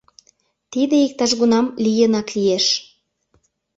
Тиде иктаж-кунам лийынак лиеш.